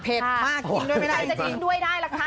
เผ็ดมากกินด้วยไม่ได้